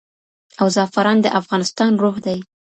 او زعفران د افغانستان روح دی.